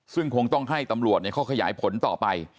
ซึ่งคงต้องให้ตำรวจเขาขยายผลต่อไป